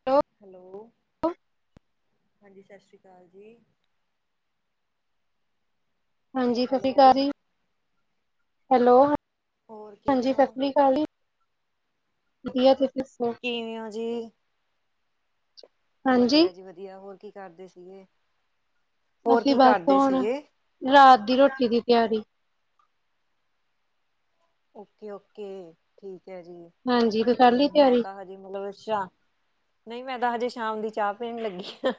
[unintelligible] Hello, ਹਾਂਜੀ ਸਸ ਸ਼੍ਰੀ ਕਾਲ ਜੀ। ਹਾਂਜੀ, ਸਸ ਸ਼੍ਰੀ ਕਾਲ ਹੈਲੋ, ਜੀ। ਹੈਲੋ, ਹੋਰ ਕਿਵੇਂ ਹਾਂਜੀ ਹੋ? ਸਸ ਸ਼੍ਰੀ ਕਾਲ ਜੀ। ਵਧੀਆ ਤੁਸੀਂ ਦੱਸੋ? ਕਿਵੇਂ ਓ ਜੀ? ਹਾਂਜੀ ਵਧੀਆ ਜੀ ਵਧੀਆ। ਹੋਰ ਕੀ ਕਰਦੇ ਸੀਗੇ, ਹੋਰ ਅਸੀਂ ਕੀ ਬਸ ਕਰਦੇ ਹੁਣ ਸੀਗੇ? ਰਾਤ ਦੀ ਰੋਟੀ ਦੀ ਤਿਆਰੀ। ਓਕੇ ਓਕੇ, ਠੀਕ ਐ ਜੀ ਹਾਂਜੀ ਕਰ ਤੇ ਲਈ ਮੈਂ ਤਿਆਰੀ ਤਾਂ ਹ ਜੇ ਮਤਲਬ ਸ਼ਾ ਨਈ ਮੈਂ ਤਾਂ ਹਜੇ ਸ਼ਾਮ ਦੀ ਚਾਹ ਪੀਣ ਲੱਗੀ ਆ।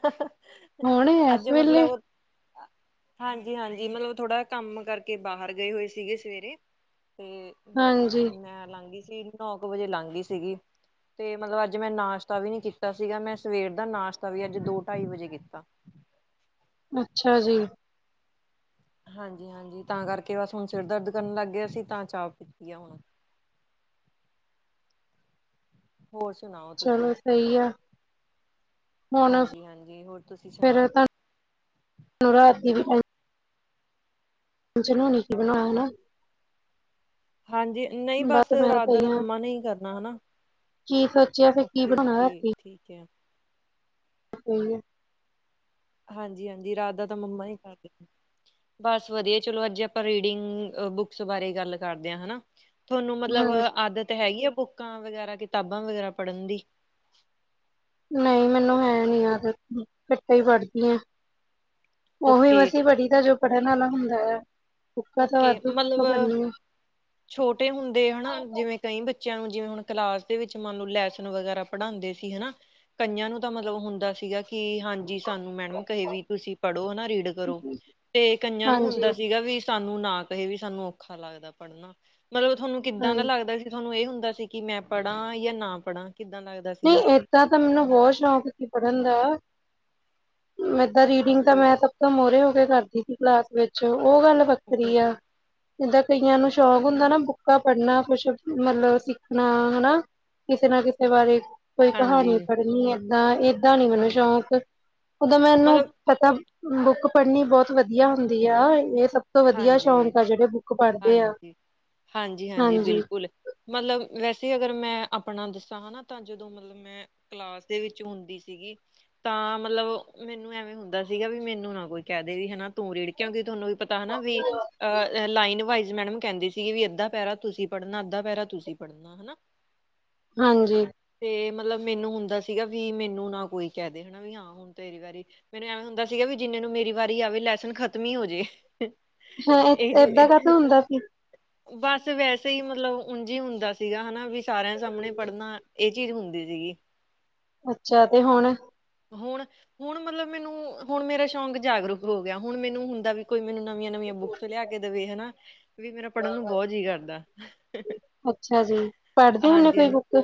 ਹੁਣ ਅੱਜ ਇਸ ਵੇਲੇ ਮਤਲਬ ਹਾਂਜੀ-ਹਾਂਜੀ ਮਤਲਬ ਥੋੜਾ ਕੰਮ ਕਰਕੇ ਬਾਹਰ ਗਏ ਹੋਏ ਸੀਗੇ ਸਵੇਰੇ ਤੇ ਮਤਲਬ ਹਾਂਜੀ ਮੈਂ ਲਾਂਘੀ ਸੀ ਨੌ ਕ ਵਜੇ ਲਾਂਘੀ ਸੀਗੀ। ਤੇ ਮਤਲਬ ਅੱਜ ਮੈਂ ਨਾਸ਼ਤਾ ਵੀ ਨੀ ਕੀਤਾ ਸੀਗਾ ਮੈਂ ਸਵੇਰ ਦਾ ਨਾਸ਼ਤਾ ਵੀ ਅੱਜ ਦੋ-ਢਾਈ ਵਜੇ ਕੀਤਾ। ਅੱਛਾ ਜੀ। ਹਾਂਜੀ-ਹਾਂਜੀ ਤਾਂ ਕਰਕੇ ਬਸ ਹੁਣ ਸਿਰ ਦਰਦ ਕਰਨ ਲੱਗ ਗਿਆ ਸੀ ਤਾਂ ਚਾਹ ਪੀਤੀ ਆ ਹੁਣ। ਹੋਰ ਸੁਣਾਓ ਤੁਸੀਂ? ਚਲੋ ਸਹੀ ਆ ਹੁਣ ਹਾਂਜੀ-ਹਾਂਜੀ, ਹੋਰ ਤੁਸੀਂ ਸੁਣਾਓ? ਚਲੋ ਰਾਤ ਦੀ ਵੀ [unintelligible] [unintelligible] ਚ ਨਾ [unintelligible] ਬਣਾਓ ਨਾ। ਹਾਂਜੀ, ਨਈ ਬਸ ਮੈਂ ਰਾਤ ਦਾ ਸਹੀ ਤਾਂ ਆ ਮੰਮਾ ਨੇ ਹੀ ਕਰਨਾ ਹਨਾ। ਕੀ ਸੋਚਿਆ ਫੇਰ, ਕੀ ਬਣਾਣਾ ਓਕੇ-ਓਕੇ ਰਾਤੀ? ਠੀਕ ਐ। ਸਈ ਐ। ਹਾਂਜੀ-ਹਾਂਜੀ ਰਾਤ ਦਾ ਤਾਂ ਮੰਮਾ ਈ ਕਰਦੇ [unintelligible] ਬਸ ਵਧੀਆ ਚਲੋ ਅੱਜ ਆਪਾਂ ਰੀਡਿੰਗ ਬੁਕਸ ਬਾਰੇ ਗੱਲ ਕਰਦੇ ਹਾਂ ਹਨਾ। ਥੋਂਨੂੰ ਮਤਲਬ ਹਾਂਜੀ ਆਦਤ ਹੈਗੀ ਆ ਬੁੱਕਾਂ ਵਗੈਰਾ, ਕਿਤਾਬਾਂ ਵਗੈਰਾ ਪੜ੍ਹਨ ਦੀ? ਨਈ ਮੈਨੂੰ ਹੈ ਨੀ ਆਦਤ ਘਟ ਈ ਪੜਦੀ ਆ। ਓਵੀ ਓਕੇ ਮਸੀ ਪੜ੍ਹੀ ਦਾ ਜੋ ਪੜ੍ਹਨ ਵਾਲਾ ਹੁੰਦਾ ਆ [unintelligible] ਓਕੇ ਮਤਲਬ ਪੜ੍ਹਨੀ ਆ। ਛੋਟੇ ਹੁੰਦੇ ਹਨਾ ਜਿਵੇਂ ਕਈ ਬੱਚਿਆਂ ਨੂੰ ਜਿਵੇਂ ਹੁਣ ਕਲਾਸ ਦੇ ਵਿੱਚ ਮੰਨ ਲਓ ਲੈਸਨ ਵਗੈਰਾ ਪੜ੍ਹਾਂਦੇ ਸੀ ਹਨਾ। ਕਈਆਂ ਨੂੰ ਤਾਂ ਮਤਲਬ ਹੁੰਦਾ ਸੀਗਾ ਕੀ ਹਾਂਜੀ ਸਾਨੂੰ ਮੈਡਮ ਕਹੇ ਵੀ ਤੁਸੀਂ ਪੜ੍ਹੋ ਨਾ ਰੀਡ ਕਰੋ ਤੇ ਕਈਆਂ ਨੂੰ ਹੁੰਦਾ ਹਾਂਜੀ, ਸੀਗਾ ਵੀ ਸਾਨੂੰ ਨਾ ਕਹੇ ਵੀ ਸਾਨੂੰ ਔਖਾ ਲੱਗਦਾ ਪੜ੍ਹਨਾ ਮਤਲਬ ਥੋਂਨੂੰ ਕਿੱਦਾਂ ਦਾ ਹਾਂਜੀ ਲੱਗਦਾ ਸੀ ਥੋਂਨੂੰ ਏ ਹੁੰਦਾ ਸੀ ਕੀ ਮੈਂ ਪੜਾ ਯਾਂ ਨਾ ਪੜਾ ਕਿੱਦਾਂ ਲੱਗਦਾ। ਸੀਗਾ। ਨਈ ਏਦਾਂ ਤਾਂ ਮੈਨੂੰ ਬੋਤ ਸ਼ੌਕ ਸੀ ਪੜ੍ਹਨ ਦਾ। ਮੈਂ ਤਾਂ ਰੀਡਿੰਗ ਤਾਂ ਓਕੇ, ਮੈਂ ਸਭ ਤੋਂ ਮੋਹਰੇ ਹੋ ਕੇ ਕਰਦੀ ਸੀ ਕਲਾਸ ਵਿੱਚ ਉਹ ਗੱਲ ਓਕੇ, ਵੱਖਰੀ ਆ। ਓਕੇ। ਇਦਾਂ ਕਈਆਂ ਨੂੰ ਸ਼ੌਕ ਹੁੰਦਾ ਨਾ ਬੁੱਕਾਂ ਪੜਨਾ ਕੁਛ ਮਤਲਬ ਸਿੱਖਣਾ ਹਨਾ। ਕਿਸੇ ਨਾ ਕਿਸੇ ਬਾਰੇ ਕੋਈ ਹਾਂਜੀ। ਕਹਾਣੀ ਪੜ੍ਹਨੀ ਇਦਾਂ ਇਦਾਂ ਨੀ ਮੈਨੂੰ ਹਾਂਜੀ, ਸ਼ੌਕ ਓਦੋਂ ਮੈਨੂੰ ਮਤਲਬ ਪਤਾ ਬੁੱਕ ਪੜ੍ਹਨੀ ਬਹੁਤ ਵਧੀਆ ਹੁੰਦੀ ਆ ਇਹ ਸਭ ਤੋਂ ਵਧੀਆ ਹਾਂਜੀ, ਸ਼ੌਂਕ ਆ ਜਿਹੜੇ ਬ ਹਾਂਜੀ ਹਾਂਜੀ ਹਾਂਜੀ ਬਿਲਕੁਲ। ਮਤਲਬ ਵੈਸੇ ਅਗਰ ਮੈਂ ਆਪਣਾ ਦੱਸਾਂ ਹਨਾ ਤਾਂ ਜਦੋਂ ਮਤਲਬ ਮੈਂ ਕਲਾਸ ਦੇ ਵਿੱਚ ਹੁੰਦੀ ਸੀਗੀ। ਤਾਂ ਮਤਲਬ ਮੈਨੂੰ ਐਵੇਂ ਹੁੰਦਾ ਸੀਗਾ ਵੀ ਮੈਨੂੰ ਨਾ ਕੋਈ ਕਹਿ ਦੇ ਵੀ ਹਨਾ ਤੂੰ ਰੀੜ ਕਿਉਂਕਿ ਤੁਹਾਨੂੰ ਵੀ ਪਤ ਹਨਾ ਵੀ ਅਹ ਲਾਈਨ ਵਾਈਸ ਮੈਡਮ ਕਹਿੰਦੇ ਸੀਗੀ ਵੀ ਅੱਧਾ ਪੈਰਾ ਤੁਸੀਂ ਪੜਨਾ ਅੱਧਾ ਪਹਿਰਾ ਤੁਸੀਂ ਪੜਨਾ ਹਨਾ। ਹਾਂਜੀ। ਫਿਰ ਮਤਲਬ ਮੈਨੂੰ ਹੁੰਦਾ ਸੀਗਾ ਵੀ ਮੈਨੂੰ ਨਾ ਕੋਈ ਕਹਿ ਦੇ ਹਨਾ ਵੀ ਹਾਂ। ਹੁਣ ਤੇਰੀ ਵਾਰੀ ਮੈਨੂੰ ਐਵੇਂ ਹੁੰਦਾ ਸੀਗਾ ਵੀ ਜਿੰਨੇ ਨੂੰ ਮੇਰੀ ਵਾਰੀ ਆਵੇ ਲੈਸਨ ਖਤਮ ਹੀ ਹੋ ਜਾਏ। ਹਾਂ ਏਦਾਂ ਇਹ ਕਾਹਤੋਂ ਹੁੰਦਾ ਸੀ ਬਸ ਵੈਸੇ ਹੀ ਮਤਲਬ ਉਂਝ ਹੀ ਹੁੰਦਾ ਸੀਗਾ ਹਨਾ ਵੀ ਸਾਰਿਆਂ ਸਾਹਮਣੇ ਪੜਨਾ। ਇਹ ਚੀਜ਼ ਹੁੰਦੀ ਸੀਗੀ। ਅੱਛਾ ਤੇ ਹੁਣ ਹੁਣ ਹੁਣ ਮਤਲਬ ਮੈਨੂੰ ਹੁਣ ਮੇਰਾ ਸ਼ੌਕ ਜਾਗਰੂਕ ਹੋ ਗਿਆ ਹੁਣ ਮੈਨੂੰ ਹੁੰਦਾ ਵੀ ਕੋਈ ਮੈਨੂੰ ਨਵੀਆਂ ਨਵੀਆਂ ਬੁੱਕਸ ਲਿਆ ਕੇ ਦੇਵੇ ਹਨਾ। ਵੀ ਮੇਰਾ ਪੜਨ ਨੂੰ ਬਹੁਤ ਜੀਅ ਕਰਦਾ ਅੱਛਾ ਜੀ ਪੜ੍ਹਦੇ ਹੁੰਦੇ ਹਾਂਜੀ ਕੋਈ ਹਾਂਜੀ। ਬੁੱਕ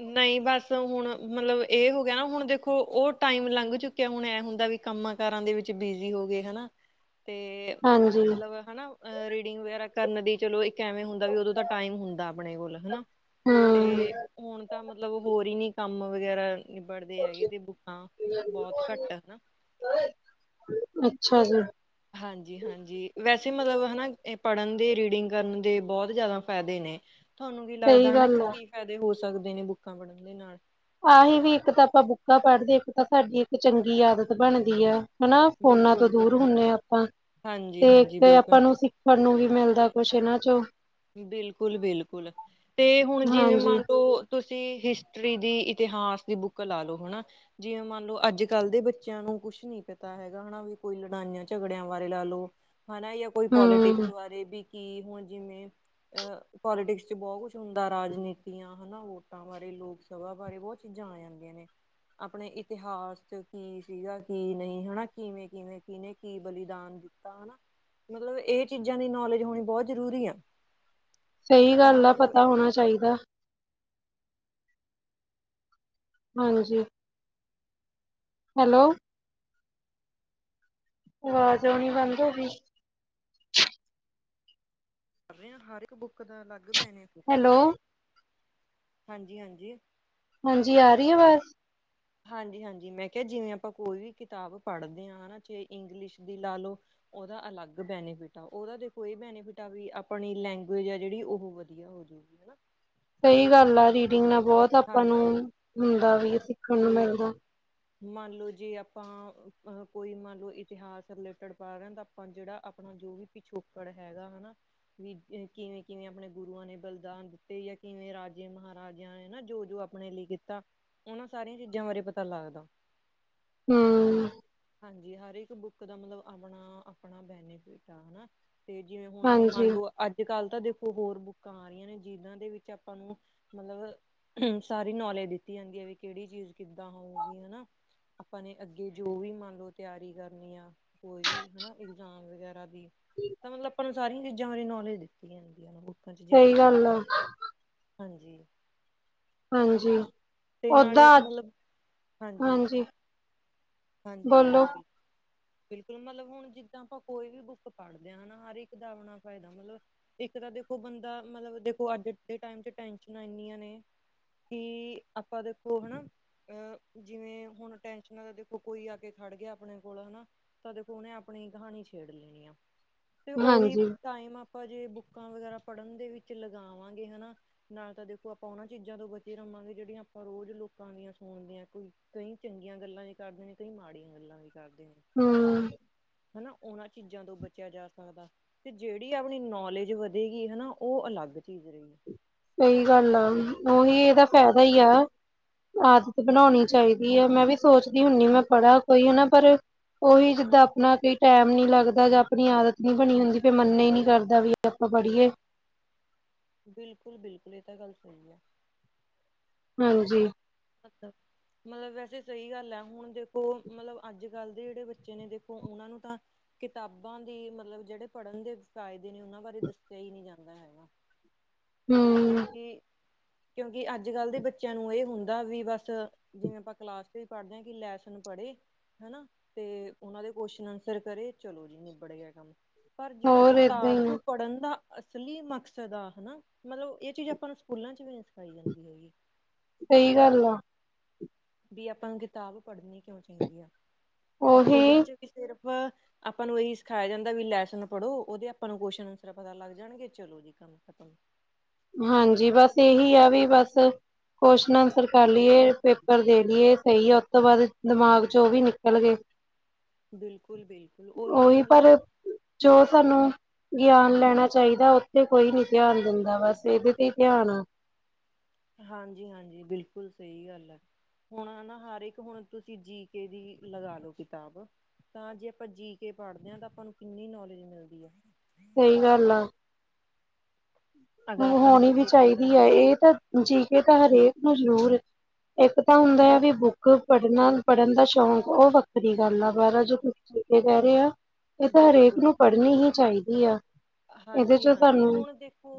ਨਹੀਂ ਬਸ ਹੁਣ ਮਤਲਬ ਇਹ ਹੋ ਗਿਆ ਨਾ ਹੁਣ ਦੇਖੋ। ਉਹ ਟਾਈਮ ਲੰਘ ਚੁੱਕਿਆ ਹੁਣ ਐ ਹੁੰਦਾ ਵੀ ਕੰਮਾਂ ਕਾਰਾਂ ਦੇ ਵਿੱਚ ਬਿਜੀ ਹੋ ਗਏ ਹਨਾ। ਤੇ ਹਾਂਜੀ ਮਤਲਬ ਹਨਾ ਰੀਡਿੰਗ ਵਗੈਰਾ ਕਰਨ ਦੀ ਚਲੋ ਇੱਕ ਐਵੇਂ ਹੁੰਦਾ ਵੀ ਉਦੋਂ ਟਾਈਮ ਹੁੰਦਾ ਆਪਣੇ ਕੋਲ ਹਨਾ। ਹੂੰ ਤੇ ਹੁਣ ਤਾਂ ਮਤਲਬ ਹੋਰ ਹੀ ਨੀ ਕੰਮ ਵਗੈਰਾ ਨਿਬੜਦੇ ਹੈਗੇ। ਤੇ ਬੁੱਕਾਂ ਬਹੁਤ ਘੱਟ ਹਨਾ ਅੱਛਾ ਜੀ। ਹਾਂਜੀ ਹਾਂ। ਹਾਂਜੀ ਵੈਸੇ ਮਤਲਬ ਹਨਾ ਪੜਨ ਦੇ ਰੀਡਿੰਗ ਕਰਨ ਦੇ ਬਹੁਤ ਜਿਆਦਾ ਫਾਇਦੇ ਨੇ। ਤੁਹਾਨੂੰ ਕੀ ਸਹੀ ਲੱਗਦਾ ਹਨਾ ਗੱਲ ਆ ਕਿ ਫਾਇਦੇ ਹੋ ਸਕਦੇ ਨੇ ਬੁੱਕਾਂ ਪੜਨ ਦੇ ਨਾਲ। ਆਹੀ ਵੀ ਇੱਕ ਤਾਂ ਆਪਾਂ ਬੁੱਕਾਂ ਪੜਦੇ ਇੱਕ ਤਾਂ ਸਾਡੀ ਇੱਕ ਚੰਗੀ ਆਦਤ ਬਣਦੀ ਆ। ਹਨਾ ਫੋਨਾਂ ਤੋਂ ਬਿਲਕੁਲ ਦੂਰ ਬਿਲਕੁਲ ਹੁੰਦੇ ਹਾਂ ਆਪਾਂ ਹਾਂਜੀ ਹਾਂਜੀ ਤੇ ਬਿਲਕੁਲ ਆਪਾਂ ਨੂੰ ਸੀ। ਤੁਹਾਨੂੰ ਵੀ ਮਿਲਦਾ ਕੁਛ ਇਹਨਾਂ ਚੋਂ। ਬਿਲਕੁਲ ਬਿਲਕੁਲ ਤੇ ਹੁਣ ਜਿਵੇਂ ਹਾਂਜੀ ਮੰਨ ਲੋ ਤੁਸੀਂ ਹਿਸਟਰੀ ਦੀ ਇਤਿਹਾਸ ਦੀ ਬੁੱਕ ਲਾ ਲਓ ਹਨਾ। ਜਿਵੇਂ ਮੰਨ ਲਓ ਅੱਜ ਕੱਲ ਦੇ ਬੱਚਿਆਂ ਨੂੰ ਕੁਛ ਨੀ ਪਤਾ ਹੈਗਾ ਹਨਾ ਵੀ ਕੋਈ ਲੜਾਈਆਂ ਝਗੜਿਆਂ ਬਾਰੇ ਲਾ ਲਓ। ਹਨਾ ਜਾਂ ਕੋਈ ਹੂੰ ਪੋਲੀਟਿਕਸ ਬਾਰੇ ਵੀ ਕੀ ਹੁਣ ਜਿਵੇਂ ਆ ਪੋਲੀਟਿਕਸ ਚ ਬਹੁਤ ਕੁਛ ਹੁੰਦਾ ਰਾਜਨੀਤੀਆਂ। ਹਨਾ ਵੋਟਾਂ ਬਾਰੇ ਲੋਕ ਸਭਾ ਬਾਰੇ ਬਹੁਤ ਚੀਜ਼ਾਂ ਆ ਜਾਂਦੀਆਂ ਨੇ ਆਪਣੇ ਇਤਿਹਾਸ ਕੀ ਸੀਗਾ ਕੀ ਨਹੀਂ ਹੈ ਕਿਵੇਂ ਕਿਵੇਂ ਕੀਨੇ ਕੀ ਬਲੀਦਾਨ ਕੀਤਾ ਹਨਾ ਮਤਲਬ ਇਹ ਚੀਜ਼ਾਂ ਦੀ ਨੌਲੇਜ ਹੋਣੀ ਬਹੁਤ ਜ਼ਰੂਰੀ ਆ ਸਹੀ ਗੱਲ ਤਾਂ ਦਾ ਮਤਲਬ ਪਤਾ ਹੋਣਾ ਚਾਹੀਦਾ ਹਾਂਜੀ ਹੈਲੋ ਆਵਾਜ਼ ਆਉਣੀ ਬੰਦ ਹੋ ਗਈ। [unintelligible] ਹਰ ਇੱਕ ਬੁੱਕ ਦਾ ਅਲੱਗ ਭੈਨੇ ਹੈਲੋ ਹਾਂਜੀ ਹਾਂਜੀ ਹਾਂਜੀ ਆ ਰਹੀ ਆਵਾਜ਼ ਹਾਂਜੀ ਹਾਂਜੀ ਮੈਂ ਕਿਹਾ ਜਿਵੇਂ ਆਪਾਂ ਕੋਈ ਵੀ ਕਿਤਾਬ ਪੜ੍ਹਦੇ ਹਾਂ ਨਾ ਚਾਹੇ ਇੰਗਲਿਸ਼ ਦੀ ਲਾ ਲਓ ਉਹਦਾ ਅਲੱਗ ਬੈਨੀਫਿਟ ਆ ਉਹਦਾ ਦੇਖੋ ਇਹ ਬੈਨੀਫਿਟ ਆ ਵੀ ਆਪਣੀ ਲੈਂਗੁਜ ਆ ਜਿਹੜੀ ਉਹ ਵਧੀਆ ਹੋ ਜੂ [unintelligible] ਸਹੀ ਗੱਲ ਆ ਰੀਡਿੰਗ ਨਾਲ ਬਹੁਤ ਆਪਾਂ ਨੂੰ ਹਾਂਜੀ ਹੁੰਦਾ ਵੀ ਸਿੱਖਣ ਨੂੰ ਤੇ ਮਿਲਦਾ ਮੰਨ ਲਓ ਜੇ ਆਪਾਂ ਕੋਈ ਮੰਨ ਲਓ ਇਤਿਹਾਸ ਰਿਲੇਟਡ [unintelligible] ਹੁਣ ਜਿਹੜਾ ਆਪਣਾ ਜੋ ਵੀ ਪਿਛੋਕੜ ਹੈਗਾ ਹੈਨਾ ਵੀ ਕਿਵੇਂ ਕਿਵੇਂ ਆਪਣੇ ਗੁਰੂਆਂ ਨੇ ਬਲੀਦਾਨ ਦਿੱਤੇ ਜਾਂ ਕਿਵੇਂ ਰਾਜੇ ਮਹਾਰਾਜਿਆਂ ਹਨ ਨਾ ਜੋ ਜੋ ਆਪਣੇ ਲਈ ਕੀਤਾ ਉਹਨਾਂ ਸਾਰੀਆਂ ਚੀਜ਼ਾਂ ਬਾਰੇ ਪਤਾ ਲੱਗਦਾ ਹਮ ਹਾਂਜੀ ਹਰ ਇੱਕ ਬੁੱਕ ਦਾ ਮਤਲਬ ਆਪਣਾ ਆਪਣਾ ਬੈਨੀਫਿਟ ਆ ਹੈਨਾ ਤੇ ਜਿਵੇਂ ਹੁਣ ਹਾਂਜੀ ਮੰਨ ਲਓ ਅੱਜ ਕੱਲ ਤਾਂ ਦੇਖੋ ਹੋਰ ਬੁੱਕਾਂ ਆ ਰਹੀਆਂ ਨੇ ਜਿਨਾਂ ਦੇ ਵਿੱਚ ਆਪਾਂ ਨੂੰ ਮਤਲਬ ਹਮ ਸਾਰੀ ਨੌਲੇਜ ਦਿੱਤੀ ਜਾਂਦੀ ਹੈ ਵੀ ਕਿਹੜੀ ਚੀਜ਼ ਕਿੱਦਾਂ ਹੋਊ ਹੇਨਾ ਆਪਾਂ ਨੇ ਅੱਗੇ ਜੋ ਵੀ ਮੰਨ ਲਓ ਤਿਆਰੀ ਕਰਨੀ ਆ ਕੋਈ ਵੀ ਹੇਨਾ ਏਕਜ਼ਾਮ ਵਗੈਰਾ ਦੀ ਤਾਂ ਮਤਲਬ ਆਪਾਂ ਨੂੰ ਸਾਰੀਆਂ ਚੀਜ਼ਾਂ ਬਾਰੇ ਨੌਲੇਜ ਦਿੱਤੀ ਜਾਂਦੀ ਹੈ ਜੇ ਸਹੀ ਆਪਾਂ ਗੱਲ ਆ ਪੜ੍ਹਦੇ ਹਾਂਜੀ ਹਾਂਜੀ ਤੇ ਨਾਲੇ ਉਦਾਂ ਮਤਲਬ ਹਾਂਜੀ ਹਾਂਜੀ ਬੋਲੋ ਹਾਂਜੀ ਬਿਲਕੁਲ ਬਿਲਕੁਲ ਮਤਲਬ ਹੁਣ ਜਿੱਦਾਂ ਆਪਾਂ ਕੋਈ ਵੀ ਬੁੱਕ ਪੜ੍ਹਦੇ ਹਾਂ ਨਾ ਹਰ ਇੱਕ ਦਾ ਆਪਣਾ ਫਾਇਦਾ ਮਤਲਬ ਇੱਕ ਤਾਂ ਦੇਖੋ ਬੰਦਾ ਮਤਲਬ ਦੇਖੋ ਅੱਜ ਦੇ ਟਾਈਮ ਵਿਚ ਟੈਨਸ਼ਨਾਂ ਇੰਨੀਆਂ ਨੇ ਕੀ ਆਪਾਂ ਦੇਖੋ ਹੈ ਨਾ ਅਹ ਜਿਵੇਂ ਹੁਣ ਟੈਨਸ਼ਨਾਂ ਦਾ ਦੇਖੋ ਕੋਈ ਆ ਕੇ ਖੜ ਗਿਆ ਆਪਣੇ ਕੋਲ ਹੈਨਾ ਤਾ ਦੇਖੋ ਉਹਨੇ ਆਪਣੀ ਕਹਾਣੀ ਛੇੜ ਲੈਣੀ ਆ ਤੇ ਉਹੀ ਹਾਂਜੀ ਟਾਈਮ ਆਪਾਂ ਜੇ ਬੁੱਕਾਂ ਵਗੈਰਾ ਪੜ੍ਹਨ ਦੇ ਵਿੱਚ ਲਗਾਵਾਂਗੇ ਹੈਨਾ ਨਾਲੇ ਤਾਂ ਦੇਖੋ ਆਪਾਂ ਉਹਨਾਂ ਚੀਜ਼ਾਂ ਤੋਂ ਬਚੇ ਰਵਾਂਗੇ ਜਿਹੜੀਆਂ ਆਪਾਂ ਰੋਜ਼ ਲੋਕਾਂ ਦੀਆਂ ਸੁਣਦੇ ਹਾਂ ਕੋਈ ਕਈ ਚੰਗੀਆਂ ਗੱਲਾਂ ਵੀ ਕਰਦੇ ਨੇ ਕਈ ਮਾੜੀਆਂ ਗੱਲਾਂ ਵੀ ਕਰਦੇ ਨੇ ਹਮ ਹੈਨਾ ਉਹਨਾਂ ਚੀਜ਼ਾਂ ਤੋਂ ਬਚਿਆ ਜਾ ਸਕਦਾ ਤੇ ਜਿਹੜੀ ਆਪਣੀ ਨੌਲੇਜ ਵਧੇਗੀ ਹੈਨਾ ਉਹ ਅਲੱਗ ਚੀਜ਼ [unintelligible] ਸਹੀ ਗੱਲ ਆ ਉਹੀ ਇਹਦਾ ਫਾਇਦਾ ਹੀ ਆ ਆਦਤ ਬਣਾਉਣੀ ਚਾਹੀਦੀ ਹੈ ਮੈਂ ਵੀ ਸੋਚਦੀ ਹੁੰਦੀ ਮੈਂ ਪੜ੍ਹਾ ਕੋਈ ਹੈਨਾ ਪਰ ਉਹੀ ਜਿੱਦਾਂ ਆਪਣਾ ਕੋਈ ਟਾਈਮ ਨੀ ਲੱਗਦਾ ਜਾਂ ਆਪਣੀ ਆਦਤ ਨੀ ਬਣੀ ਹੁੰਦੀ ਫਿਰ ਮੰਨ ਹੀ ਨੀ ਕਰਦਾ ਵੀ [unintelligible] ਆਪਾਂ ਪੜੀਏ ਬਿਲਕੁਲ ਬਿਲਕੁਲ ਇਹ ਤਾਂ ਗੱਲ ਸਹੀ ਹੈ ਹਾਂਜੀ ਅੱਛਾ ਮਤਲਬ ਵੈਸੇ ਸਹੀ ਗੱਲ ਹੈ ਹੁਣ ਦੇਖੋ ਮਤਲਬ ਅੱਜ ਕੱਲ ਦੇ ਜਿਹੜੇ ਬੱਚੇ ਨੇ ਦੇਖੋ ਉਹਨਾਂ ਨੂੰ ਤਾਂ ਕਿਤਾਬਾਂ ਦੀ ਮਤਲਬ ਜਿਹੜੇ ਪੜ੍ਹਨ ਦੇ ਫ਼ਾਇਦੇ ਨੇ ਉਹਨਾਂ ਬਾਰੇ ਦੱਸਿਆ ਹੀ ਨਹੀਂ ਜਾਂਦਾ ਹੈਗਾ ਹਮ ਕਿਉਂਕਿ ਕਿਉਂਕਿ ਅੱਜ ਕੱਲ ਦੇ ਬੱਚਿਆਂ ਨੂੰ ਇਹ ਹੁੰਦਾ ਵੀ ਬਸ ਜਿਵੇਂ ਆਪਾਂ ਕਲਾਸ ਚ ਵੀ ਪੜ੍ਹਦੇ ਹਾਂ ਕਿ ਲੈਸਨ ਪੜੇ ਹਨਾ ਤੇ ਉਹਨਾਂ ਦੇ ਕੋਸ਼ਨ ਆਨਸਰ ਕਰੇ ਚਲੋ ਜੀ ਨਿਬੜ ਗਿਆ ਕੰਮ ਪਰ ਜੇੜਾ ਹੋਰ ਏਦਾਂ ਕਿਤਾਬ ਹੀ ਆ ਨੂੰ ਪੜ੍ਹਨ ਦਾ ਅਸਲੀ ਮਕਸਦ ਆ ਹਨਾ, ਮਤਲਬ ਇਹ ਚੀਜ਼ ਆਪਾਂ ਨੂੰ ਸਕੂਲਾਂ ਚ ਵੀ ਨਹੀਂ ਸਿਖਾਈ ਜਾਂਦੀ ਹੈਗੀ। ਸਹੀ ਗੱਲ ਆ। ਵੀ ਆਪਾਂ ਨੂੰ ਕਿਤਾਬ ਪੜ੍ਹਨੀ ਕਿਉਂ ਚਾਹੀਦੀ ਆ, ਉਹੀ ਸਕੂਲਾਂ ਚ ਵੀ ਸਿਰਫ ਆਪਾਂ ਨੂੰ ਇਹੀ ਸਿਖਾਇਆ ਜਾਂਦਾ ਵੀ ਲੈਸਨ ਪੜ੍ਹੋ, ਉਦੇ ਆਪਾਂ ਨੂੰ ਕੁਸ਼ਚਨ ਆਨਸਰ ਪਤਾ ਲੱਗ ਜਾਣਗੇ, ਚਲੋ ਜੀ। ਕੰਮ ਖਤਮ। ਹਾਂਜੀ, ਬਸ ਇਹੀ ਆ ਵੀ ਬਸ ਕੁਸ਼ਨ ਆਨਸਰ ਕਰ ਲਈਏ, ਪੇਪਰ ਦੇ ਲਈਏ ਸਹੀ ਐ, ਉਸ ਤੋਂ ਬਾਅਦ ਦਿਮਾਗ ਚ ਉਹ ਵੀ ਨਿਕਲ ਗਏ। ਬਿਲਕੁਲ -ਬਿਲਕੁਲ ਉਹੀ ਹੈ ਮਤਲਬ ਜੋ ਸਾਨੂੰ, ਗਿਆਨ ਲੈਣਾ ਚਾਹੀਦਾ ਉੱਥੇ ਕੋਈ ਨੀ ਧਿਆਨ ਦਿੰਦਾ ਬਸ ਏਦੇ ਤੇ ਹੀ ਧਿਆਨ ਆ। ਹਾਂਜੀ- ਹਾਂਜੀ ਬਿਲਕੁਲ ਸਹੀ ਗੱਲ ਐ। ਹੁਣ ਨਾ ਹਰ ਇੱਕ ਹੁਣ ਤੁਸੀਂ ਜੀ ਕੇ ਦੀ ਲਗਾ ਲਓ ਕਿਤਾਬ। ਤਾਂ ਜੇ ਆਪਾਂ ਜੀ ਕੇ ਪੜ੍ਹਦੇ ਆ ਤਾਂ ਆਪਾਂ ਨੂੰ ਕਿੰਨੀ ਨੌਲੇਜ ਮਿਲਦੀ ਆ ਸਹੀ ਗੱਲ ਆ। ਅਗਰ ਆਪਾਂ ਨੇ ਹੋਣੀ ਕੋਈ ਵੀ ਪੇਪਰ ਚਾਹੀਦੀ ਐ, ਵਗੈਰਾ ਇਹ ਤਾਂ ਜੀ ਕੇ ਤਾਂ ਹਰੇਕ ਨੂੰ ਜ਼ਰੂਰ ਇੱਕ ਤਾਂ ਹੁੰਦਾ ਆ ਵੀ ਬੁੱਕ ਪੜ੍ਹਨਾ ਪੜ੍ਹਨ ਦਾ ਸ਼ੌਂਕ ਉਹ ਵੱ ਖਰੀ ਗੱਲ ਆ, ਅਖ਼ਬਾਰਾਂ ਬਿਲਕੁਲ ਜੋ ਕੁਛ ਕਹਿ ਰਹੇ ਆ ਇਹ ਤਾਂ ਹਰੇਕ ਨੂੰ ਬਿਲਕੁਲ ਪੜ੍ਹਨੀ ਹੀ ਚਾਹੀਦੀ ਆ। ਇਹਦੇ ਹਾਂਜੀ ਚ -ਹਾਂਜੀ ਸਾਨੂੰ ਹੁਣ 'ਦੇਖੋ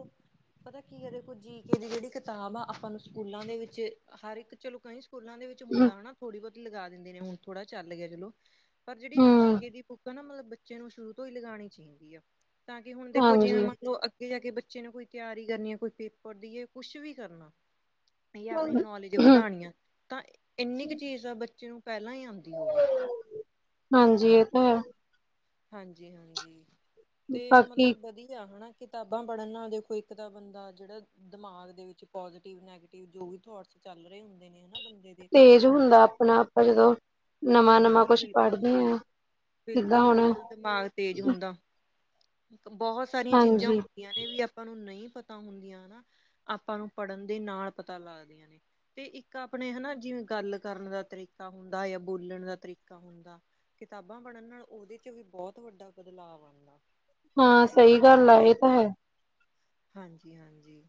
ਪਤਾ ਕੀ ਆ ਦੇਖੋ ਜੀ ਕੇ ਦੀ ਜਿਹੜੀ ਕਿਤਾਬ ਆ ਆਪਾਂ ਨੂੰ ਸਕੂਲਾਂ ਦੇ ਵਿੱਚ, ਹਰ ਇੱਕ ਚਲੋ ਕਈ ਸਕੂਲਾਂ ਦੇ ਵਿੱਚ ਹੁੰਦਾ ਹਨਾ, ਥੋੜੀ ਬਹੁਤੀ ਲਗਾ ਦਿੰਦੇ ਨੇ, ਥੋੜ੍ਹਾ ਚੱਲ ਗਿਆ ਚਲੋ ਪਰ ਜਿਹੜੀ ਜੀ ਹੂੰ, ਕੇ ਦੀ ਬੁੱਕ ਆ ਨਾ, ਮਤਲਬ ਬੱਚਿਆਂ ਨੂੰ ਸ਼ੁਰੂ ਤੋਂ ਹੀ ਲਗਾਣੀ ਚਾਹੀਦੀ ਆ। ਤਾਂ ਕਿ ਹੁਣ ਦੇਖੋ ਜਿਵੇਂ ਹਾਂਜੀ। ਮੰਨ ਲਓ ਅੱਗੇ ਜਾ ਕੇ ਬੱਚੇ ਨੂੰ ਕੋਈ ਤਿਆਰੀ ਕਰਨੀ ਐ ਕੋਈ ਪੇਪਰ ਦੀ ਹੈ ਕੁਛ ਵੀ ਕਰਨਾ ਜਾਂ ਆਪਣੀ ਨੌਲੇਜ ਵਧਾਣੀ ਆ ਤਾਂ ਇੰਨੀ ਕੁ ਚੀਜ਼ ਆ ਬੱਚੇ ਨੂੰ ਪਹਿਲਾਂ ਹੀ ਆਂਦੀ ਹੋਵੇ। ਹਾਂਜੀ, ਇਹ ਤਾਂ ਹੈ। ਹਾਂਜੀ- ਹਾਂਜੀ ਤੇ ਬਾਕੀ ਮਤਲਬ ਵਧੀਆ ਹਨਾ। ਕਿਤਾਬਾਂ ਪੜ੍ਹਨ ਨਾਲ ਦੇਖੋ ਇੱਕ ਤਾਂ ਬੰਦਾ ਜੇੜਾ ਦਿਮਾਗ ਦੇ ਵਿੱਚ ਪੋਜ਼ਟਿਵ, ਨੈਗੇਟਿਵ ਜੋ ਵੀ ਥੋਟਸ ਚੱਲ ਰਹੇ ਹੁੰਦੇ ਨੇ ਹਨਾ ਬੰਦੇ ਦੇ ਤੇਜ਼ ਹੁੰਦਾ ਆਪਣਾ ਆਪ ਜਦੋਂ ਨਵਾਂ-ਨਵਾਂ ਬਿਲਕੁਲ, ਕੁਛ ਬਿਲਕੁਲ, ਪੜ੍ਹਦੇ ਆ, ਜਿੱਦਾਂ ਬਿਲਕੁਲ, ਹੁਣ ਬਿਲਕੁਲ ਦਿਮਾਗ ਤੇਜ਼ ਹੁੰਦਾ। ਬਹੁਤ ਸਾਰੀਆਂ ਚੀਜ਼ਾਂ ਹਾਂਜੀ, ਨੇ ਵੀ ਆਪਾਂ ਨੂੰ ਨਹੀਂ ਪਤਾ ਹੁੰਦੀਆਂ ਨਾ ਆਪਾਂ ਨੂੰ ਪੜ੍ਹਨ ਦੇ ਨਾਲ ਪਤਾ ਲੱਗਦੀਆਂ ਨੇ। ਤੇ ਇੱਕ ਆਪਣੇ ਹਨਾ, ਜਿਵੇਂ ਗੱਲ ਕਰਨ ਦਾ ਤਰੀਕਾ ਹੁੰਦਾ। ਬੋਲਣ ਦਾ ਤਰੀਕਾ ਹੁੰਦਾ, ਕਿਤਾਬਾਂ ਪੜ੍ਹਨ ਨਾਲ ਉਹਦੇ ਚ ਵੀ ਬਹੁਤ ਵੱਡਾ ਬਦਲਾਵ ਆਉਂਦਾ। ਹਾਂ ਸਹੀ ਗੱਲ ਆ ਏ ਤਾਂ ਹੈ। ਹਾਂਜੀ- ਹਾਂਜੀ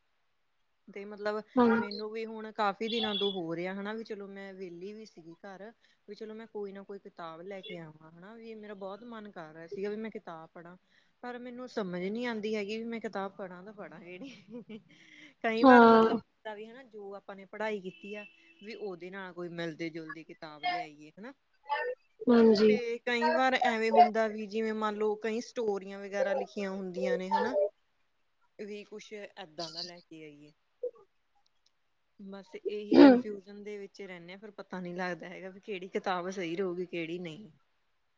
ਤੇ ਮਤਲਬ ਹਾਂ, ਮੈਨੂੰ ਵੀ ਹੁਣ ਕਾਫ਼ੀ ਦਿਨਾਂ ਤੋਂ ਹੋ ਰਿਹਾ ਹਨਾ ਵੀ ਚਲੋ ਮੈਂ ਵਿਹਲੀ ਵੀ ਸੀਗੀ ਘਰ। ਵੀ ਚਲੋ ਮੈਂ ਕੋਈ ਨਾ ਕੋਈ ਕਿਤਾਬ ਲੈ ਕੇ ਆਵਾਂ। ਹਨਾ ਵੀ, ਮੇਰਾ ਬਹੁਤ ਮਨ ਕਰ ਰਿਹਾ ਸੀਗਾ ਵੀ ਮੈਂ ਕਿਤਾਬ ਪੜਾ। ਪਰ ਮੈਨੂੰ ਸਮਝ ਨੀ ਆਂਦੀ ਹੈਗੀ ਵੀ, ਮੈਂ ਕਿਤਾਬ ਪੜਾਂ ਤਾਂ ਪੜਾ ਕੇਹੜੀ। ਕਈ ਵਾਰ ਹਾਂ, ਮਤਲਬ ਵੀ ਹਨਾ ਜੋ ਆਪਾਂ ਨੇ ਪੜ੍ਹਾਈ ਕੀਤੀ ਆ, ਵੀ ਉਹਦੇ ਨਾਲ ਕੋਈ ਮਿਲਦੇ- ਜੁਲਦੇ ਕਿ ਤਾਬ ਲਿਆਈ ਏ ਹਨਾ, ਹਾਂਜੀ। ਤੇ ਕਈ ਵਾਰ ਐਵੇਂ ਹੁੰਦਾ ਵੀ ਜਿਵੇਂ ਮੰਨ ਲਓ ਕਈ ਸਟੋਰੀਆਂ ਵਗੈਰਾ ਲਿਖੀਆਂ ਹੁੰਦੀਆਂ ਨੇ ਹਨਾ, ਵੀ ਕੁਛ ਏਦਾਂ ਦਾ ਲੈ ਠੀਕ ਹੈਗੀ ਐ। ਬਸ ਇਹੀ ਕਨਫਿਊਜਨ ਦੇ ਵਿੱਚ ਰਹਿੰਦੇ ਆ ਫੇਰ ਪਤਾ ਨੀ ਲੱਗਦਾ ਹੈਗਾ ਵੀ ਕਿਹੜੀ ਕਿਤਾਬ ਸਹੀ ਰਹੁਗੀ ਕਿਹੜੀ ਨਈ।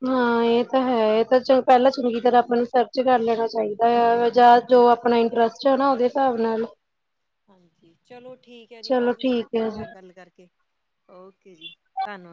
ਹਾਂ ਇਹ ਤਾਂ ਹੈ, ਇਹ ਤਾਂ ਚਲ ਪਹਿਲਾਂ ਚੰਗੀ ਤਰ੍ਹਾਂ ਆਪਾਂ ਨੂੰ ਸਰਚ ਕਰ ਲੈਣਾ ਚਾਹੀਦਾ ਐਵੇਂ ਜਾ ਜੋ ਬਿਲਕੁਲ ਆਪਣਾ ਬਿਲਕੁਲ। ਇੰਟਰਸਟ ਹੈ ਨਾ ਓਦੇ ਹਿਸਾਬ ਹਾਂ ਨਾਲ- ਹਾਂਜੀ, ਚਲੋ ਠੀਕ ਹੈ ਜੀ ਚਲੋ ਬਹੁਤ ਵਧੀਆ ਠੀਕ ਲਗਿਆ ਹੈ ਜੀ। ਥੋਡੇ ਨਾਲ ਗੱਲ ਕਰਕੇ ਓਕੇ ਜੀ, ਧੰਨਵਾਦ।